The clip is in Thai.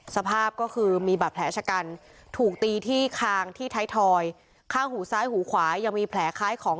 สภาพก็คือมีบาดแผลชะกัน